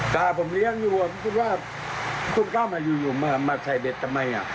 กล้าผมเลี้ยงอยู่คุณก้าวมาอยู่มาใส่เบ็ดทำไม